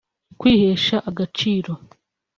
kwihesha agaciro